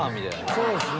そうですね。